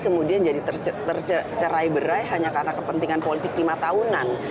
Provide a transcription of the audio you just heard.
kemudian jadi tercerai berai hanya karena kepentingan politik lima tahunan